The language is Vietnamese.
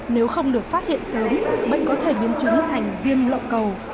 nếu không được phát hiện sớm bệnh có thể biến trứng thành viêm lọc cầu